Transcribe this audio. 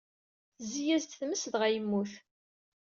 Tezzi-yas-d tmes dɣa yemmut.